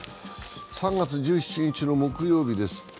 ３月１７日の木曜日です。